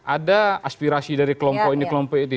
ada aspirasi dari kelompok ini kelompok ini